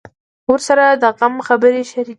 ورور سره د غم خبرې شريکېږي.